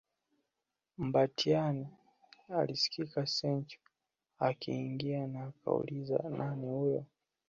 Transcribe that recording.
Mbatiany alisikia Santeu akiingia na akauliza nani huyo